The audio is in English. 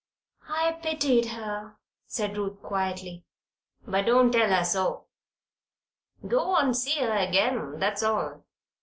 "I pitied her," said Ruth, quietly. "But don't tell her so. Go and see her again that's all.